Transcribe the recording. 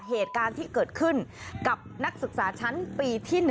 เหตุการณ์ที่เกิดขึ้นกับนักศึกษาชั้นปีที่๑